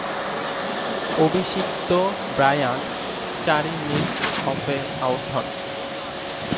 অভিষিক্ত ব্রায়ান চারি মিড-অফে আউট হন।